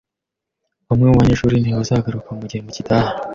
Bamwe mubanyeshuri ntibazagaruka mugihembwe gitaha.